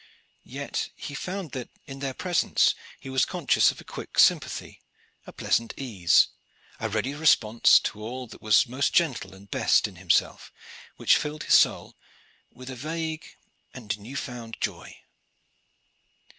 Yet he found that in their presence he was conscious of a quick sympathy, a pleasant ease, a ready response to all that was most gentle and best in himself, which filled his soul with a vague and new found joy.